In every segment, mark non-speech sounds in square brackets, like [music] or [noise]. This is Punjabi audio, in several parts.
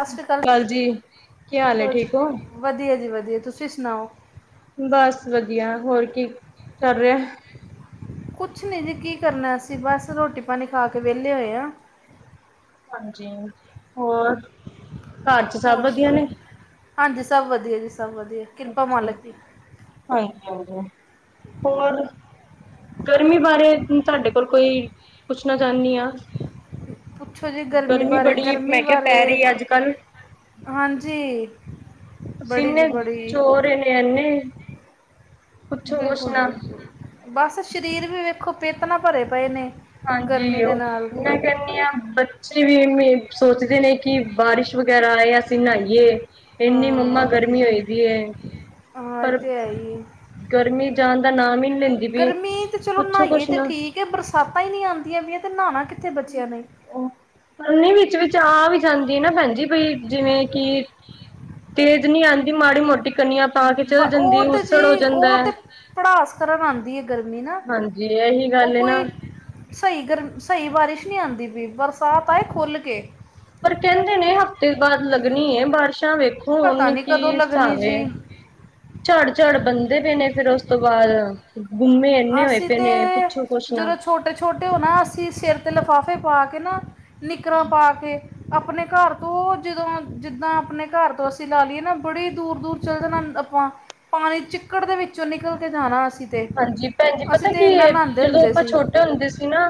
ਸਸ ਸ੍ਰੀ ਕਾਲ ਕੀ ਹਾਲ ਹੈ ਹੋ ਠੀਕ ਵਧੀਆ ਜੀ ਵਧੀਆ ਤੁਸੀ ਸੁਣਾਓ। ਬਸ ਵਧੀਆ ਹੋਰ ਕੀ ਚੱਲ ਰਿਹਾ। ਕੁਛ ਨਹੀਂ ਜੀ ਕੀ ਕਰਨਾ ਅਸੀਂ ਬਸ ਰੋਟੀ ਪਾਣੀ ਖਾ ਕੇ ਵਿਹਲੇ ਹੋਏ ਹਾਂ ਹਾਂਜੀ ਹੋਰ ਘਰ ਚ ਸਭ ਹੋਰ ਵਧੀਆ ਨੇ ਸੁਣਾਓ ਹਾਂਜੀ ਸਭ ਵਧੀਆ ਜੀ ਸਭ ਵਧੀਆ ਕਿਰਪਾ ਅਛਾ ਮਾਲਕ ਦੀ ਹਾਂਜੀ-ਹਾਂਜੀ ਹੋਰ ਗਰਮੀ ਬਾਰੇ ਤੁਹਾਡੇ ਕੋਲ ਕੋਈ ਪੁੱਛਣਾ ਚਾਹੁੰਦੀ ਹਾਂ ਪੁੱਛੋ ਜੀ ਗਰਮੀ ਬਾਰੇ ਬੜੀ ਗਰਮੀ ਮੈਂ ਕਿਹਾ ਬਾਰੇ ਪੈ ਰਹੀ ਅੱਜ-ਕੱਲ੍ਹ ਹਾਂਜੀ ਬੜੀ ਪਸੀਨੇ ਜੀ ਬੜੀ ਚੋ ਰਹੇ ਨੇ ਇੰਨੇ ਬਿਲਕੁੱਲ ਬਿਲਕੁੱਲ ਬੱਸ ਸਰੀਰ ਵੀ ਵੇਖੋ ਪਿੱਤ ਨਾਲ ਭਰੇ ਪਏ ਨੇ ਗਰਮੀ ਹਾਂਜੀ ਦੇ ਨਾਲ ਉਹ ਆ ਬੱਚੇ ਵੀ ਸੋਚਦੇ ਨੇ ਕਿ ਬਾਰਿਸ਼ ਵਗੈਰਾ ਆਏ ਅਸੀਂ ਨਹਾਈਏ ਇੰਨੀ ਮੰਮਾ ਹਾਂ ਗਰਮੀ ਹੋਈ ਪਈ ਹੈ ਹਾਂ ਪਰ ਤੇ ਹੈ ਹੀ ਗਰਮੀ ਜਾਣ ਦਾ ਨਾਮ ਹੀ ਨੀ ਲੈਂਦੀ ਪਈ। ਗਰਮੀਂ ਤੇ ਚਲੋ ਪੁੱਛੋ ਨਹਾਈਏ ਕੁਛ ਤੇ ਨਾ ਠੀਕ ਕਿ ਬਰਸਾਤਾਂ ਹੀ ਨਹੀਂ ਆਉਂਦੀਆਂ ਵੀਆਂ ਤੇ ਨਹਾਉਣਾ ਕਿੱਥੇ ਬੱਚਿਆਂ ਨੇ ਕਨੀ ਵਿੱਚ ਵਿਚ ਆ ਵੀ ਜਾਂਦੀ ਨਾ ਭੈਣਜੀ ਬਈ ਜਿਵੇਂ ਕੀ ਤੇਜ਼ ਨਹੀਂ ਆਉਂਦੀ ਮਾੜੀ ਮੋਟੀ ਕਨੀਆਂ ਪਾ ਕੇ ਚੱਲ ਉਹ ਜਾਂਦੀ ਤੇ ਉਸੜ ਜੀ ਹੋ ਜਾਂਦਾ ਉਹ ਹੈ। ਤੇ ਭੜਾਸ ਕਰਨ ਆਉਂਦੀ ਹੈ ਗਰਮੀਂ ਨਾ ਹਾਂਜੀ ਇਹੀ ਉਹ ਗੱਲ ਨਾ ਕੋਈ ਸਹੀ ਗਰਮੀਂ ਸਹੀ ਬਾਰਿਸ਼ ਨਹੀਂ ਆਉਂਦੀ ਪਈ ਬਰਸਾਤ ਆਏ ਖੁੱਲ੍ਹ ਕੇ ਪਰ ਕਹਿੰਦੇ ਨੇ ਹਫ਼ਤੇ ਬਾਅਦ ਲੱਗਣੀ ਬਾਰਿਸ਼ਾਂ ਵੇਖੋ ਪਤਾ ਹੁੱਣ ਨਹੀਂ ਕੀ ਕਦੋਂ ਲੱਗਣੀ ਹਿਸਾਬ ਐ ਜੀ ਝੜ ਝੜ ਬੰਦੇ ਪਏ ਨੇ ਫਿਰ ਉਸ ਤੋਂ ਬਾਅਦ ਗੁੰਮੇ ਇੰਨੇ ਹੋਏ ਪਏ ਨੇ ਪੁੱਛੋ ਕੁੱਛ ਨਾ ਛੋਟੇ ਛੋਟੇ ਹੋ ਨਾ ਅਸੀਂ ਸਿਰ 'ਤੇ ਲਿਫਾਫੇ ਪਾ ਕੇ ਨਾ ਨਿੱਕਰਾਂ ਪਾ ਕੇ ਆਪਣੇ ਘਰ ਤੋਂ ਜਦੋਂ ਜਿੱਦਾਂ ਆਪਣੇ ਘਰ ਤੋਂ ਅਸੀਂ ਲਾ ਲਈਏ ਨਾ ਬੜੀ ਦੂਰ ਦੂਰ ਚੱਲ ਜਾਣਾ ਆਪਾਂ ਪਾਣੀ ਚਿੱਕੜ ਦੇ ਵਿੱਚੋਂ ਨਿਕਲ ਕੇ ਜਾਣਾ ਅਸੀਂ ਤੇ ਹਾਂਜੀ ਭੈਣਜੀ ਅਸੀਂ ਪਤਾ ਕੀ ਤੇ ਇੰਨਾ ਏ ਨਹਾਂਦੇ ਜਦੋਂ ਹੁੰਦੇ ਆਪਾਂ ਸੀ ਛੋਟੇ ਹੁੰਦੇ ਸੀ ਨਾ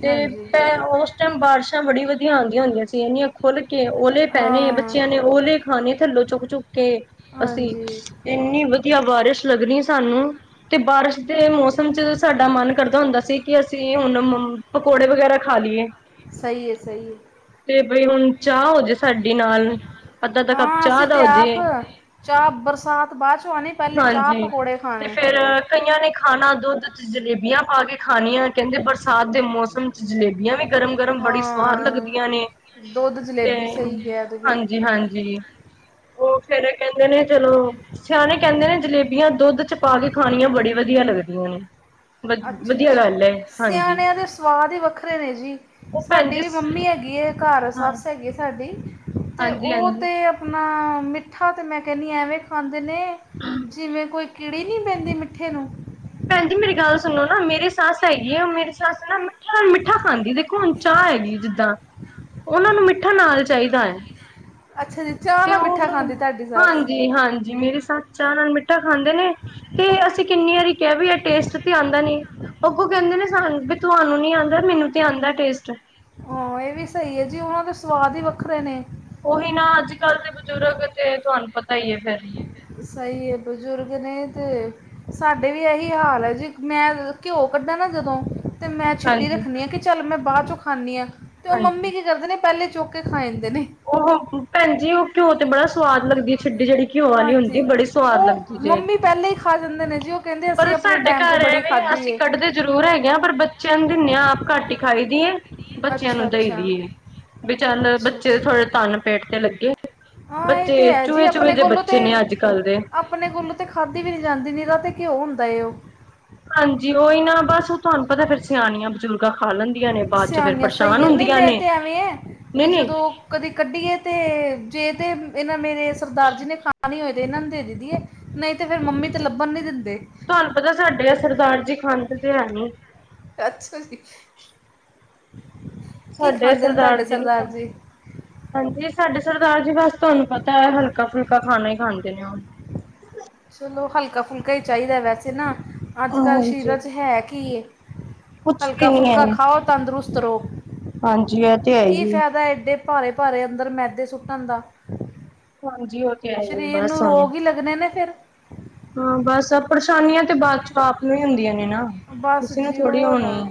ਤੇ ਹਾਂਜੀ ਉਸ ਟਾਈਮ ਬਾਰਿਸ਼ਾਂ ਬੜੀ ਵਧੀਆ ਆਉਦੀਆਂ ਹੁੰਦੀਆਂ ਸੀ ਇਹਨੀਆਂ ਖੁੱਲ ਕੇ ਓਲੇ ਪੈਣੇ ਹਾਂ ਬੱਚਿਆਂ ਨੇ ਓਲੇ ਖਾਣੇ ਥੱਲੋਂ ਚੁੱਕ ਚੁੱਕ ਕੇ ਅਸੀਂ ਹਾਂਜੀ ਇੰਨੀ ਵਧੀਆ ਬਾਰਿਸ਼ ਲੱਗਣੀ ਸਾਨੂੰ ਤੇ ਬਾਰਿਸ਼ ਦੇ ਮੌਸਮ ਚ ਸਾਡਾ ਮਨ ਕਰਦਾ ਹੁੰਦਾ ਸੀ ਕਿ ਅਸੀਂ ਹੁਣ ਮੰਮ ਪਕੌੜੇ ਵਗੈਰਾ ਖਾ ਲਈਏ ਸਹੀ ਹੈ ਸਹੀ ਹੈ ਤੇ ਬਈ ਹੁਣ ਚਾਹ ਹੋ ਜੇ ਸਾਡੇ ਨਾਲ ਅੱਧਾ-ਅੱਧਾ ਕੱਪ ਹਾਂ ਚਾਹ ਅਸੀਂ ਦਾ ਤੇ ਹੋ ਆਪ ਜੇ ਚਾਹ ਬਰਸਾਤ ਬਾਅਦ 'ਚ ਆਣੀ ਪਹਿਲੇ ਚਾਹ ਹਾਂਜੀ ਪਕੌੜੇ ਤੇ ਖਾਣੇ ਫੇਰ ਕਈਆਂ ਨੇ ਖਾਣਾ ਦੁੱਧ ਚ ਜਲੇਬੀਆਂ ਪਾ ਕੇ ਖਾਣੀਆਂ ਕਹਿੰਦੇ ਬਰਸਾਤ ਬਰਸਾਤ ਦੇ ਮੌਸਮ ਚ ਜਲੇਬੀਆਂ ਵੀ ਗਰਮ ਗਰਮ ਬੜੀ ਸਵਾਦ ਹਾਂ ਲੱਗਦੀਆਂ ਨੇ ਦੁੱਧ ਤੇ ਜਲੇਬੀ ਸਹੀ ਕਿਹਾ ਤੁਸੀਂ ਹਾਂਜੀ ਹਾਂਜੀ ਉਹ ਫਿਰ ਕਹਿੰਦੇ ਨੇ ਚਲੋ ਸਿਆਣੇ ਕਹਿੰਦੇ ਨੇ ਜਲੇਬੀਆਂ ਦੁੱਧ ਚ ਪਾ ਕੇ ਖਾਣੀਆ ਬੜੀ ਵਧੀਆ ਲੱਗਦੀਆਂ ਨੇ ਵ ਅੱਛਾ ਵਧੀਆ ਸ- ਗੱਲ ਹੈ ਸਿਆਣਿਆਂ ਦੇ ਸਵਾਦ ਹੀ ਵੱਖਰੇ ਨੇ ਜੀ ਉਹ ਭੈਣ ਸਾਡੀ ਜੀ ਵੀ ਮੰਮੀ ਹੈਗੀ ਹੈ ਘਰ ਹਾਂ ਸੱਸ ਹੈਗੀ ਸਾਡੀ ਅਤੇ ਉਹ ਹਾਂਜੀ-ਹਾਂਜੀ ਤੇ ਆਪਣਾ ਮਿੱਠਾ ਤਾਂ ਮੈਂ ਕਹਿੰਦੀ ਐਵੇਂ ਖਾਂਦੇ ਨੇ ਜਿਵੇਂ ਕੋਈ ਕੀੜੀ ਨਹੀਂ ਪੈਂਦੀ ਮਿੱਠੇ ਨੂੰ ਭੈਣਜੀ ਮੇਰੀ ਗੱਲ ਸੁਣੋ ਨਾ ਮੇਰੀ ਸੱਸ ਹੈਗੀ ਆ ਮੇਰੀ ਸੱਸ ਨਾ ਕਿਨਾ ਮਿੱਠਾ ਖਾਂਦੀ ਦੇਖੋ ਹੁਣ ਚਾਹ ਹੈਗੀ ਜਿੱਦਾਂ ਉਹਨਾਂ ਨੂੰ ਮਿੱਠਾ ਨਾਲ ਚਾਹੀਦਾ ਹੈ ਅੱਛਾ ਜੀ ਚਾਹ ਨਾ ਮਿੱਠਾ ਉਹਨੂੰ ਖਾਂਦੀ ਤੁਹਾਡੀ ਸੱਸ ਤੇ ਹਾਂਜੀ ਹਾਂਜੀ [unintelligible] ਜੀ ਮੇਰੇ ਸੱਸ ਚਾਹ ਨਾਲ ਮਿੱਠਾ ਖਾਂਦੇ ਨੇ ਤੇ ਅਸੀਂ ਕਿੰਨੀ ਵਾਰੀ ਕਿਹਾ ਵੀ ਟੇਸਟ ਤੇ ਆਉਂਦਾ ਨੀ ਅੱਗੋਂ ਕਹਿੰਦੇ ਨੇ ਸਾਨੂੰ ਤੁਹਾਨੂੰ ਨੀ ਆਉਂਦਾ ਮੈਨੂੰ ਤੇ ਆਉਂਦਾ ਟੇਸਟ ਹਾਂ ਇਹ ਵੀ ਸਹੀ ਹੈ ਜੀ ਉਹਨਾਂ ਦੇ ਸਵਾਦ ਹੀ ਵੱਖਰੇ ਨੇ ਉਹੀ ਨਾ ਅੱਜ ਕੱਲ੍ਹ ਦੇ ਬਜ਼ੁਰਗ ਤੇ ਤੁਹਾਨੂੰ ਪਤਾ ਹੀ ਹੈ ਫਿਰ ਸਹੀ ਬਜ਼ੁਰਗ ਨੇ ਤੇ ਸਾਡੇ ਵੀ ਇਹੀ ਹਾਲ ਹੈ ਜੀ ਮੈਂ ਘਿਓ ਕੱਢਾ ਨਾ ਜਦੋਂ ਅਤੇ ਮੈਂ ਛਿੱਡੀ ਹਾਂਜੀ ਰੱਖਣੀ ਹਾਂ ਕਿ ਚੱਲ ਮੈਂ ਬਾਅਦ 'ਚੋਂ ਖਾਨੀ ਹਾਂ ਅਤੇ ਉਹ ਹਾਂਜੀ ਮੰਮੀ ਕੀ ਕਰਦੇ ਨੇ ਪਹਿਲੇ ਚੁੱਕ ਕੇ ਖਾ ਜਾਂਦੇ ਨੇ ਉਹ ਭੈਣਜੀ ਉਹ ਘਿਓ ਤੇ ਬੜਾ ਸਵਾਦ ਲੱਗਦੀ ਏ ਛਿੱਡੀ, ਜਹਿੜੀ ਘਓ ਆਲੀ ਹੁੰਦੀ ਹਾਂਜੀ ਬੜੀ ਸਵਾਦ ਲੱਗਦੀ ਉਹ ਜੇ। ਮੰਮੀ ਪਹਿਲੇ ਹੀ ਖਾ ਜਾਂਦੇ ਨੇ ਜੀ ਉਹ ਕਹਿੰਦੇ ਅਸੀਂ ਪਰ ਆਪਣੇ ਸਾਡੇ ਟਾਈਮ ਤੇ ਘਰ ਬੜੀ ਐਵੇ ਖਾਧੀ ਅਸੀ ਏ ਕੱਢਦੇ ਜ਼ਰੂਰ ਹੈਗੇਆਂ, ਪਰ ਬੱਚੇਆਂ ਨੂੰ ਦਿਨੇ ਆਂ ਆਪ ਘਟ ਈ ਖਾਈ ਦੀ ਬੱਚੇਆਂ ਅੱਛਾ ਨੂੰ ਦੇਈ ਅੱਛਾ ਦੀ ਏ, ਬਈ ਚਾੱਲ ਅੱਛਾ ਫੇਰ ਅੱਛਾ ਥੋੜੇ ਤਾੱਨ ਪੇਟ ਤੇ ਲੱਗੇ, ਹਾਂ ਇਹ ਤੇ ਬੱਚੇ ਚੂਏ, ਚੂਏ ਜੇ ਬੱਚੇ ਨੇ ਅੱਜ-ਕੱਲ ਦੇ ਤੇ ਆਪਨੇ ਕੋਲੋਂ ਤੇ ਖਾਧੀ ਵੀ ਨੀ ਜਾਂਦੀ, ਨਿਰਾ ਤੇ ਘਯੋ ਹੁੰਦਾ ਓ ਹਾਂਜੀ, ਓਈ ਨਾ ਬਸ ਓ ਤੁਹਾਨੂੰ ਪਤਾ ਫੇਰ ਸਿਆਨੀਆਂ ਚੰਗਾ ਖਾ ਲੈਂਦੀਆਂ ਨੇ ਬਾਦ ਚ ਫੇਰ ਸਿਆਣੀਆਂ ਸਹੀ ਪ੍ਰੇਸ਼ਾਨ ਕਹਿੰਦੇ ਹੁੰਦੀਆਂ ਨੇ। ਨਈ- ਨਈ ਕਦੀ ਕੱਢੀਏ ਤੇ ਜੇ ਤੇ ਏਨਾਂ ਮੇਰੇ ਸਰਦਾਰ ਜੀ ਨੇ ਖਾਨੀ ਹੋਏ ਤੇ ਏਨਾਂ ਨੂੰ ਦੇ ਦੇਦੀ ਏ, ਨਈ ਤੇ ਫੇਰ ਮੰਮੀ ਤੇ ਲੱਭਨ ਨੀ ਦਿੰਦੇ। ਤੁਹਾਨੂੰ ਪਤਾ ਸਾਡੇ ਐ ਸਰਦਾਰ ਜੀ ਖਾਂਦੇ ਤੇ ਹੈ ਨੀ ਅੱਛਾ ਜੀ। ਕੀ ਸਾਡੇ ਐ ਖਾਂਦੇ ਨੇ ਸਰਦਾਰ ਤੁਹਾਡੇ ਜੀ ਨਿ ਜੀ ਹਾਂਜੀ, ਸਾਡੇ ਸਰਦਾਰ ਜੀ ਬਸ ਤੁਹਾਨੂੰ ਪਤਾ, ਹਲਕਾ ਫੁਲਕਾ ਖਾਨਾ ਈ ਖਾਂਦੇ ਨੇ ਓ ਚਲੋ, ਹਲਕਾ ਫੁਲਕਾ ਈ ਚਾਈਦਾ ਵੈਸੇ ਨਾ, ਅੱਜ-ਕੱਲ ਹਾਂਜੀ। ਸ਼ਰੀਰਾਂ ਚ ਹੈ ਕੀ ਏ। ਕੁਛ ਵੀ ਹਲਕਾ ਨੀ ਫੁਲਕਾ ਹੈ। ਖਾਓ ਤੰਦਰੁਸਤ ਰਓ, ਹਾਂਜੀ ਇਹ ਤੇ ਹੈ ਕੀ ਹੀ। ਫੈਦਾ ਏਡੇ ਭਾਰੇ- ਭਾਰੇ ਅੰਦਰ ਮੈਦੇ ਸੁੱਟਨ ਦਾ ਹਾਂਜੀ। ਤੇ ਹੈ ਹੀ ਸਰੀਰ ਨੂੰ ਬਸ ਹੁਣ। ਰੋਗ ਈ ਲੱਗਨੇ ਨੇ ਫੇਰ ਹਾਂ। ਬਸ ਪਰੇਸ਼ਾਨੀਆਂ ਤੇ ਬਾਚੋ ਆਪ ਨੂੰ ਈ ਹੁੰਦੀਆਂ ਨੇ ਨਾ। ਬਸ ਕਿਸੇ ਨੂੰ ਜੀ ਥੋੜ੍ਹੀ ਹੋਰ, ਹੋਣੀ ਹੈ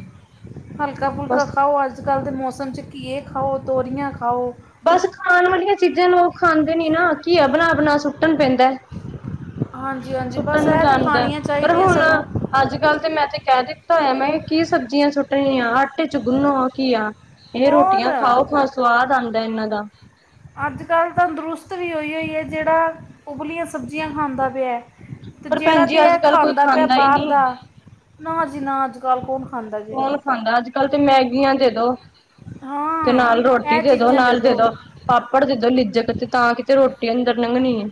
ਹਲਕਾ ਫੁਲਕਾ ਬਸ। ਖਾਓ ਆਜ ਅੱਜ-ਕੱਲ ਦੇ ਮੋਸਮ ਚ ਘੀਏ ਖਾਓ, ਤੋਰੀਆਂ ਖਾਓ। ਬਸ ਖਾਨ ਵਾਲੀਆਂ ਚੀਜ਼ਾਂ ਲੋਕ ਖਾਂਦੇ ਨੀ ਨਾ, ਘੀਆ ਬਨਾ- ਬਨਾ ਸੁਟਨਾ ਪੈਂਦਾ। ਹਾਂਜੀ ਹਾਂਜੀ ਸੁੱਟਣ ਬਸ ਨੂੰ ਇਹ ਤੇ ਜਾਂਦਾ, ਖਾਣੀਆਂ ਪਰ ਚਾਹੀਦੀਆਂ ਹੁਣ ਸਗੋਂ ਅੱਜ-ਕੱਲ ਤੇ ਮੈਂ ਤੇ ਕੈ ਦਿੱਤਾ ਹੋਯਾ, ਮੈਂ ਕੀ ਸਬਜ਼ੀਆਂ ਸੁੱਟਣੀਆਂ ਆਟੇ ਚ ਗੁੰਨੋ ਘੀਆ ਏ ਔਰ ਰੋਟੀਆਂ ਖਾਓ ਤਾਂ ਸਵਾਦ ਆਂਦਾ ਏਨਾਂ ਦਾ ਅਜਕਲ ਤੰਦਰੁਸਤ ਵੀ ਓਈਓ ਈ ਏ, ਜੈੜਾ ਉਬਲੀਆਂ ਸਬਜ਼ੀਆਂ ਖਾਂਦਾ ਪਿਆ। ਤੇ ਪਰ ਭੈਣ ਜੇੜਾ ਤੇ ਜੀ ਅੱਜ ਐ ਕੱਲ ਕੋਈ ਖਾਂਦਾ ਪਿਆ ਹੀ ਬਾਰ ਨਹੀਂ। ਦਾ ਨਾ ਜੀ ਨਾ, ਆੱਜ-ਕਾੱਲ ਕੋਨ ਖਾਂਦਾ ਜੇ ਕੌਣ ਖਾਂਦਾ ਆੱਜ-ਕਾੱਲ ਤੇ ਮੈਗੀਆਂ ਦੇ ਦੋ, ਤੇ ਹਾਂ ਨਾਲ ਰੋਟੀ ਇਹ ਦੇ ਦੋ, ਚੀਜ਼ਾਂ ਨਾਨ ਦੇ ਦਿਓ ਦੋ ਪਾਪੜ ਜਦੋ ਲਿਜਕ ਤੇ, ਤਾਂ ਕਿਤੇ ਰੋਟੀ ਅੰਦਰ ਲੰਘਨੀ ਏ।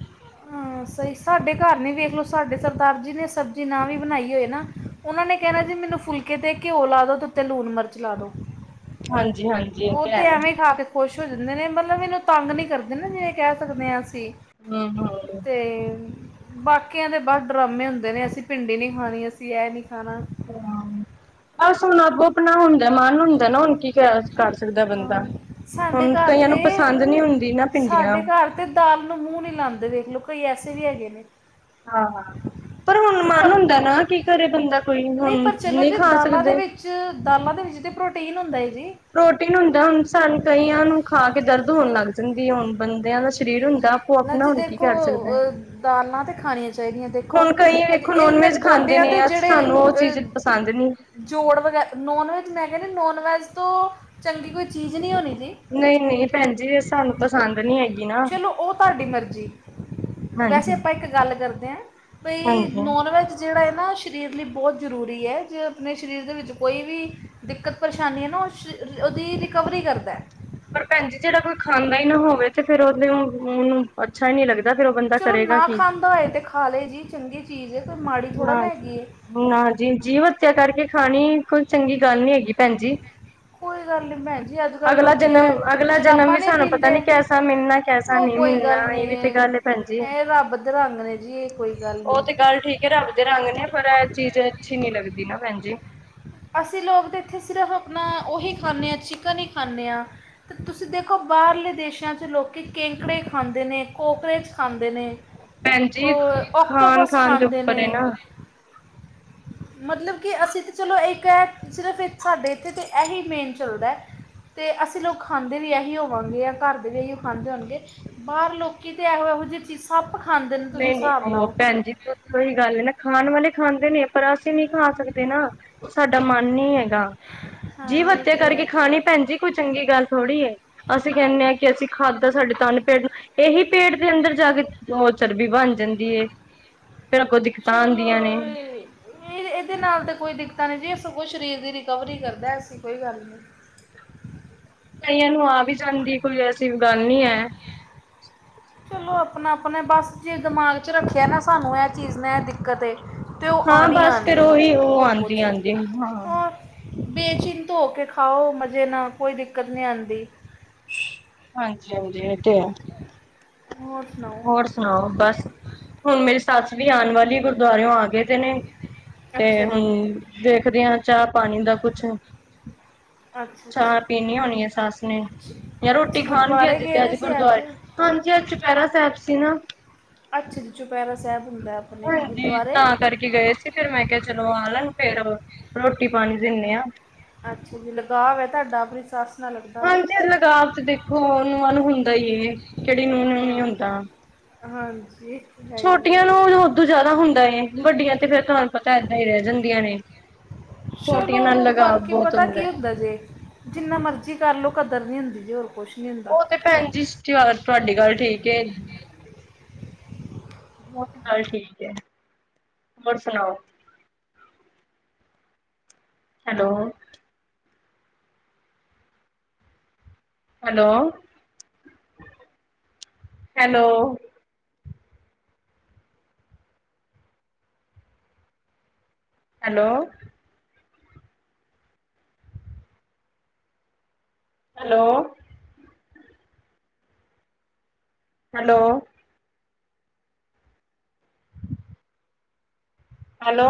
ਹਾਂ, ਸਈ ਸਾਡੇ ਘਰ ਨੀ ਵੇਖਲੋ ਸਾਡੇ ਸਰਦਾਰ ਜੀ ਨੇ ਸਬਜ਼ੀ ਨਾ ਵੀ ਬਨਾਈ ਹੋਏ ਨਾ ਓਨਾਂ ਨੇ ਕੈਨਾ ਜੀ ਮੈਨੂੰ ਫੁਲਕੇ ਤੇ ਘਓ ਲਾਦੋ, ਤੇ ਉੱਤੇ ਲੁਨ ਮਰਚ ਲਾਦੋ। ਹਾਂਜੀ-ਹਾਂਜੀ ਇਹ ਉਹ ਤੇ ਹੈ। ਐਵੇਂ ਖਾ ਕੇ ਖੂਸ਼ ਹੋ ਜਾਂਦੇ ਨੇ, ਮਲਬ ਏਨੂੰ ਤਾੰਗ ਨੀ ਕਰਦੇ ਨਾ ਜਿਵੇਂ ਕੈ ਸਕਦੇ ਆਂ ਅਸੀ ਹੂੰ- ਹੂੰ। ਤੇ ਬਾਕੀਆਂ ਦੇ ਬਾੱਸ ਡਰਾਮੇ ਹੁੰਦੇ ਨੇ, ਅਸੀ ਪਿੰਡੀ ਨੀ ਖਾਨੀ, ਅਸੀ ਐ ਨੀ ਖਾਨਾ ਬਸ ਹੁਨ ਅਗੋ ਆਪਨਾ ਹੁੰਦਾ, ਮਾਨ ਹੁੰਦਾ ਨਾ, ਹੁਨ ਕੀ ਹੈ ਕਾੱਰ ਸਕਦਾ ਬੰਦਾ ਅਮ ਸਾਡੇ ਹੁਨ ਘਰ ਕਈਆਂ ਤੇ ਨੂੰ ਪਸੰਦ ਨੀ ਹੁੰਦੀ ਨਾ ਪਿੰਡੀਆਂ। ਸਾਡੇ ਘਰ ਤੇ ਦਾਲ ਨੂੰ ਮੂ ਨੀ ਲਾਂਦੇ ਵੇਖ ਲੋ, ਕਈ ਐਸੇ ਵੀ ਹੈਗੇ ਨੇ ਹਾਂ, ਪਰ ਹੁਨ ਮਾੱਨ ਪਰ ਹੁੰਦਾ ਨਾ, ਕੀ ਕਰੇ ਬੰਦਾ ਕੋਈ, ਨਹੀਂ ਹੁਨ ਪਰ ਨੀ ਜੀ ਖਾ ਦਾਲਾਂ ਦੇ ਸਕਦੇ। ਵਿੱਚ ਚਲੋ ਦਾਲਾਂ ਦੇ ਵਿੱਚ ਤੇ ਪ੍ਰੋਟੀਨ ਹੁੰਦਾ ਏ ਜੀ। ਪ੍ਰੋਟੀਨ ਹੁੰਦਾ ਹੁਨ ਸਾਨੂੰ ਕਈਆਂ ਨੂੰ ਖਾ ਕੇ ਦਰਦ ਹੋਨ ਲਗ ਜਾਂਦੀ ਹੁਨ, ਬੰਦਿਆ ਦਾ ਸਰੀਰ ਹੁੰਦਾ ਆਪੋ ਨਾ ਆਪਣਾ ਜੀ ਹੁਣ ਕੀ ਦੇਖੋ ਕਰ ਸਕਦਾ ਹੈ। ਦਾਲਾਂ ਤੇ ਖਾਣਿਆਂ ਚਾਈਦਿਆਂ ਦੇਖੋ, ਹੁਣ ਕਈ ਏਦੇ ਵੇਖੋ ਏ ਨੋਨ ਨ ਵੈਜ ਖਾਂਦੇ ਗੋਡੇਆਂ ਨੇ ਦੇ ਜੇੜੇ ਸਾਨੂੰ ਉਹ ਚੀਜ਼ ਪਸੰਦ ਅ ਨੀ। ਜੋੜ ਵਗੈਰਾ ਨੋਨ ਵੈੱਜ ਮੈਂ ਕੈਨੀ ਨੋਨ ਵੈੱਜ ਤੋ ਚੰਗੀ ਕੋਈ ਚੀਜ਼ ਨੀ ਹੋਨੀ ਜੀ। ਨਈ- ਨਈ ਭੈਣ ਜੀ ਏ ਸਾਨੂੰ ਪਸੰਦ ਨੀ ਹੈਗੀ। ਨਾ ਚਲੋ ਉਹ ਤੁਹਾਡੀ ਮਰਜ਼ੀ, ਵੈਸੇ ਹਾਂਜੀ। ਆਪਾਂ ਇੱਕ ਗਲ ਕਰਦੇ ਐਂ। ਬਈ ਹਾਂਜੀ। ਨੋਨ ਵੈਜ ਜਿਹੜਾ ਹੈ ਨਾ ਸਰੀਰ ਲਈ ਬਹੁਤ ਜ਼ਰੂਰੀ ਹੈ ਜੇ ਆਪਣੇ ਸਰੀਰ ਦੇ ਵਿੱਚ ਕੋਈ ਵੀ ਦਿੱਕਤ ਪਰੇਸ਼ਾਨੀ ਨਾ ਉਹ ਉਹਦੀ ਰਿਕਵਰੀ ਕਰਦਾ ਪਰ ਭੈਣ ਜੀ ਜਿਹੜਾ ਕੋਈ ਖਾਂਦਾ ਹੀ ਨਾ ਹੋਵੇ ਤੇ ਫੇਰ ਉਹਦੇ ਉਹਨੂੰ ਅੱਛਾ ਹੀ ਨਹੀ ਲੱਗਦਾ ਫੇਰ ਉਹ ਬੰਦਾ ਚਲੋ ਕਰੇਗਾ ਨਾ ਕੀ। ਖਾਂਦਾ ਹੋਏ ਤਾਂ ਖਾ ਲਏ ਜੀ ਚੰਗੀ ਚੀਜ਼ ਹੈ ਫਿਰ ਮਾੜੀ ਥੋੜ੍ਹਾ ਨਾ ਹੈਗੀ ਨਾ ਜੀ ਜੀਵ ਹੱਤਿਆ ਕਰਕੇ ਖਾਣੀ ਕੋਈ ਚੰਗੀ ਗੱਲ ਨੀ ਹੈਗੀ ਭੈਣਜੀ ਕੋਈ ਗੱਲ ਨਹੀਂ ਭੈਣ ਜੀ ਅੱਜ ਕੱਲ੍ਹ ਅਗਲਾ ਲੋਕੀ ਜਨਮ, ਐ ਅਗਲਾ ਜਨਮ ਸ਼ਰਾਬਾਂ ਵੀ ਨਹੀਂ ਸਾਨੂੰ ਪਤਾ ਪੀਂਦੇ ਨੀ ਕੈਸਾ ਮਿਲਣਾ ਕੈਸਾ ਉਹ ਨੀ ਕੋਈ ਮਿਲਣਾ ਗੱਲ ਇਹ ਨਹੀਂ ਵੀ ਤੇ ਹੈ, ਗੱਲ ਭੈਣਜੀ, ਇਹ ਰੱਬ ਦੇ ਰੰਗ ਨੇ ਜੀ ਇਹ ਕੋਈ ਗੱਲ ਉਹ ਨਹੀਂ ਤੇ ਗੱਲ ਠੀਕ ਰੱਬ ਦੇ ਰੰਗ ਨੇ ਪਰ ਇਹ ਚੀਜ਼ ਅੱਛੀ ਨੀ ਲੱਗਦੀ ਨਾ ਭੈਣ ਜੀ ਅਸੀਂ ਲੋਕ ਤੇ ਇੱਥੇ ਸਿਰਫ਼ ਆਪਣਾ ਉਹੀ ਖਾਂਦੇ ਹਾਂ ਚਿਕਨ ਹੀ ਖਾਂਦੇ ਹਾਂ ਤੇ ਤੁਸੀਂ ਦੇਖੋ ਬਾਹਰਲੇ ਦੇਸ਼ਾਂ ਚ ਲੋਕ ਕੇਕੜੇ ਖਾਂਦੇ ਨੇ, ਕੋਕਰੇਚ ਖਾਂਦੇ ਨੇ ਭੈਣ ਜੀ ਉਹ ਖਾਣ ਔਕਟੋਪਸ ਖਾਣ ਦੇ ਖਾਂਦੇ ਨੇ ਉੱਪਰ ਹੈ ਨਾ ਮਤਲਬ ਕਿ ਅਸੀਂ ਤਾਂ ਚਲੋ ਇੱਕ ਹੈ ਸਿਰਫ ਸਾਡੇ ਇੱਥੇ ਤਾਂ ਇਹੀ ਮੇਨ ਚੱਲਦਾ ਤੇ ਅਸੀਂ ਲੋਕ ਖਾਂਦੇ ਵੀ ਇਹੀ ਹੋਵਾਂਗੇ ਜਾਂ ਘਰ ਦੇ ਵੀ ਇਹੀ ਉਹ ਖਾਂਦੇ ਹੋਣਗੇ ਬਾਹਰ ਲੋਕੀ ਤੇ ਇਹੋ -ਇਹੋ ਜਿਹੀ ਚੀਜ਼ ਸੱਪ ਖਾਂਦੇ ਨੇ ਤੁਸੀਂ ਹਿਸਾਬ ਲਾਓ ਹਾਂਜੀ ਉਹੀ ਗੱਲ ਨਾ ਖਾਣ ਵਾਲੇ ਖਾਂਦੇ ਨੇ ਪਰ ਅਸੀਂ ਨਹੀਂ ਖਾ ਸਕਦੇ ਨਾ ਸਾਡਾ ਮਨ ਨੀ ਹੈਗਾ, ਜੀਵ ਹਾਂ ਇਹ ਹੱਤਿਆ ਤਾਂ ਕਰਕੇ ਹੈ ਖਾਣੀ ਭੈਣ ਜੀ ਕੋਈ ਚੰਗੀ ਗੱਲ ਥੋੜ੍ਹੀ ਹੈ, ਅਸੀਂ ਕਹਿੰਦੇ ਹਾਂ ਕਿ ਅਸੀਂ ਖਾਦ ਦਾ ਸਾਡੇ ਤਨ ਪੇਟ ਇਹੀ ਪੇਟ ਦੇ ਅੰਦਰ ਜਾ ਕੇ ਉਹ ਚਰਬੀ ਬਣ ਜਾਂਦੀ ਫੇਰ ਅੱਗੋਂ ਦਿੱਕਤਾਂ ਆਉਂਦੀਆਂ ਚਲੋ ਨੇ ਇਹ ਇਹਦੇ ਨਾਲ ਤਾਂ ਕੋਈ ਦਿੱਕਤਾਂ ਨਹੀਂ ਜੀ ਸਗੋਂ ਸਰੀਰ ਦੀ ਰਿਕਵਰੀ ਕਰਦਾ ਐਸੀ ਕੋਈ ਗੱਲ ਨਹੀਂ ਕਈਆਂ ਨੂੰ ਆ ਵੀ ਜਾਂਦੀ, ਕੋਈ ਐਸੀ ਗੱਲ ਨੀ ਹੈ ਚਲੋ ਆਪਣਾ-ਆਪਣਾ ਬਸ ਜੇ ਦਿਮਾਗ ' ਰੱਖਿਆ ਨਾ ਸਾਨੂੰ ਇਹ ਚੀਜ਼ ਨੇ ਇਹ ਦਿੱਕਤ ਏ ਤੇ ਉਹ ਹਾਂ ਬਸ ਫੇਰ ਆਉਣੀ-ਆਉਣੀ ਉਹੀ ਉਹ ਹੋਰ ਆਉਂਦੀ ਕੁਛ ਆਉਂਦੀ ਹਾਂ ਨਹੀਂ ਬੇਚਿੰਨਤ ਹੋ ਕੇ ਖਾਓ ਮਜ਼ੇ ਨਾਲ ਕੋਈ ਦਿੱਕਤ ਨਹੀ ਆਉਂਦੀ ਹਾਂਜੀ -ਹਾਂਜੀ ਇਹ ਤੇ ਹੈ। ਹੋਰ ਸੁਣਾਓ ਹੋਰ ਸੁਣਾਓ ਬਸ, ਹੁਣ ਮੇਰੀ ਸੱਸ ਵੀ ਆਉਣ ਵਾਲੀ ਗ ਗੁਰਦੁਆਰੇ ਤੋਂ ਆ ਗਏ ਤੇ ਨੇ, ਤੇ ਅੱਛਾ ਜੀ ਹੁਣ ਦੇਖਦੇ ਹਾਂ ਚਾਹ ਪਾਣੀ ਦਾ ਕੁਛ ਅੱਛਾ ਚਾਹ ਅੱਛਾ ਪੀਣੀ ਹੋਣੀ ਹੈ ਸੱਸ ਨੇ ਜਾਂ ਰੋਟੀ ਅੱਛਾ ਖਾਣਗੇ ਅ ਗੁਰਦੁਆਰੇ ਜਿੱਥ ਗਏ ਦੇ ਅੱਜ ਸੀ ਗੁਰਦੁਆਰੇ ਹਾਂਜੀ ਅੱਜ ਚੁਪਹਿਰਾ ਸਾਹਿਬ ਸੀ ਨਾ ਅੱਛਾ ਜੀ ਚੁਪਹਿਰਾ ਸਾਹਿਬ ਹੁੰਦਾ ਆਪਣੇ ਹਾਂਜੀ ਗੁਰਦੁਆਰੇ ਤਾਂ ਕਰਕੇ ਗਏ ਸੀ ਫਿਰ ਮੈਂ ਕਿਹਾ ਚਲੋ ਆ ਲਣ ਫਿਰ ਰੋਟੀ ਪਾਣੀ ਦਿੰਦੇ ਆਾਂ ਅੱਛਾ ਜੀ ਲਗਾਵ ਹੈ ਤੁਹਾਡਾ ਆਪਣੀ ਸੱਸ ਨਾਲ ਲੱਗਦਾ ਹਾਂਜੀ ਲਗਾਵ ਚ ਦੇਖੋ ਨੂੰਹਾਂ ਨੂੰ ਹੁੰਦਾ ਹੈ ਕਿਹੜੀ ਨੂੰਹ, ਨੂੰਹ ਹਾਂ ਨੀ ਹੁੰਦਾ ਹਾਂਜੀ ਤਾਂ ਹੈ ਹੀ ਏ। ਛੋਟੀਆਂ ਨੂੰ ਉਓਦੋਂ ਜ਼ਿਆਦਾ ਹੁੰਦਾ ਏ ਵੱਡੀਆਂ ਤੇ ਫੇਰ ਤੁਹਾਨੂੰ ਪਤਾ ਏਦਾਂ ਹੀ ਰਹਿ ਜਾਂਦੀਆਂ ਨੇ ਛੋਟੀਆਂ ਨਾਲ ਚਲੋ ਲਗਾਵ ਬਾਕੀ ਬਹੁਤ ਪਤਾ ਕੀ ਹੈ। ਹੁੰਦਾ ਜੇ ਜਿੰਨਾ ਮਰਜ਼ੀ ਕਰ ਲਓ ਕਦਰ ਨਹੀਂ ਹੁੰਦੀ ਜੇ ਹੋਰ ਕੁਛ ਨਹੀਂ ਹੁੰਦਾ ਉਹ ਤੇ ਭੈਣ ਜੀ ਤੁਹਾਡੀ ਗੱਲ ਠੀਕ ਏ ਉਹ ਤੇ ਗੱਲ ਠੀਕ ਹੈ ਹੋਰ ਸੁਣਾਓ hello? Hello hello? Hello? Hello? Hello? ਹਮ [unintelligible] ਹੈਲੋ?